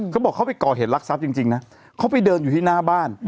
เขาบอกเขาไปก่อเหตุลักษัพจริงนะเขาไปเดินอยู่ที่หน้าบ้าน